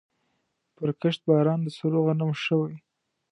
پرکښت باران د سرو غنمو شوی